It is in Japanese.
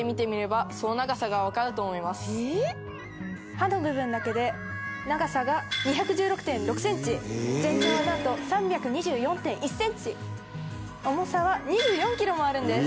「刃の部分だけで長さが２１６．６センチ」「全長はなんと３２４．１センチ」「重さは２４キロもあるんです」